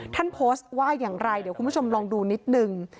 ท่านโพสต์ว่าอย่างไรเดี๋ยวคุณผู้ชมลองดูนิดนึง